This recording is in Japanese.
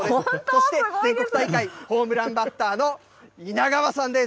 そして全国大会ホームランバッターのさんです。